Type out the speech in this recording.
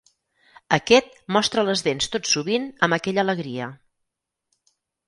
Aquest mostra les dents tot sovint amb aquella alegria.